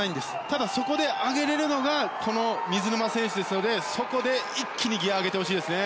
ただ、そこで上げられるのは水沼選手ですのでそこで、一気にギアを上げてほしいですね。